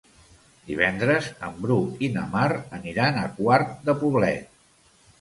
Divendres en Bru i na Mar aniran a Quart de Poblet.